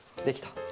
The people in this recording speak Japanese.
できた。